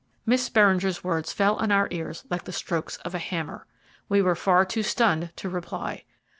Miss Beringer's words fell on our ears like the strokes of a hammer. We were far too stunned to reply.